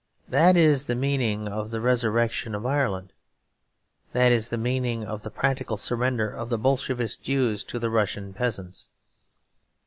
That is the meaning of the resurrection of Ireland; that is the meaning of the practical surrender of the Bolshevist Jews to the Russian peasants.